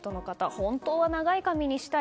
本当は長い髪にしたい。